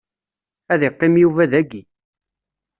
Ad iqqim Yuba dagi.